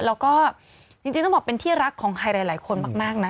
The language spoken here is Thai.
แล้วก็จริงต้องบอกเป็นที่รักของใครหลายคนมากนะ